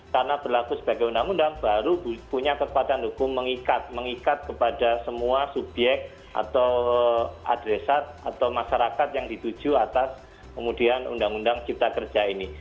karena berlaku sebagai undang undang baru punya kekuatan hukum mengikat kepada semua subyek atau adresat atau masyarakat yang dituju atas kemudian undang undang cipta kerja ini